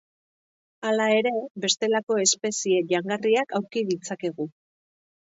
Hala ere, bestelako espezie jangarriak aurki ditzakegu.